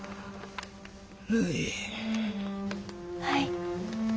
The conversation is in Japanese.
はい。